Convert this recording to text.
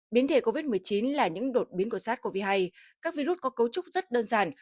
biến thể covid một mươi chín là những đột biến của sars cov hai các virus có cấu trúc rất đơn giản